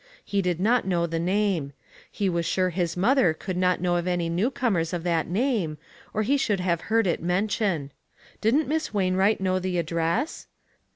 He did not know the name. He was sure his mother could not know of any new comers of that name, or he should have heard it mentioned. Didn't Miss Wain wright know the address?